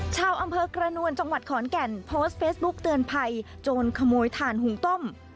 ชาวอำเภอกระนวลจังหวัดขอนแก่นโพสต์เฟซบุ๊กเตือนภัยโจรขโมยถ่านหุงต้ม